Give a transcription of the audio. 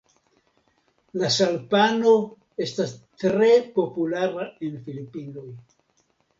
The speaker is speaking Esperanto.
La salpano estas tre populara en Filipinoj.